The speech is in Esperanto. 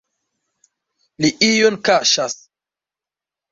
Li ion kaŝas!